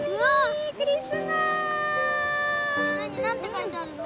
何て書いてあるの？